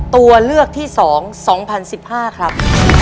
ตัวเลือกที่๒๒๐๑๕ครับ